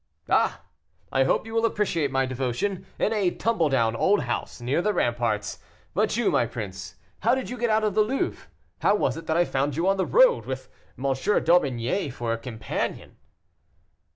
"Ah! I hope you will appreciate my devotion; in a tumble down old house, near the ramparts. But you, my prince, how did you get out of the Louvre? How was it that I found you on the road, with M. d'Aubigné for a companion?"